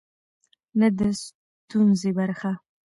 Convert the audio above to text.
نه د ستونزې برخه.